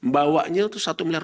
bawanya itu satu miliar